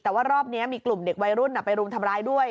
แต่ว่ารอบนี้มีกลุ่มเด็กวัยรุ่นไปรุมทำร้ายด้วย